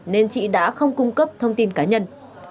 nên chị đã không cung cấp thông tin cá nhân